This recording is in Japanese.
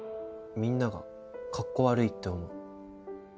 みんながかっこ悪いって思う。